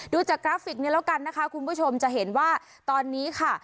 ดูจากกราฟิกนี้แล้วกันนะคะคุณผู้ชมจะเห็นว่าตอนนี้ค่ะ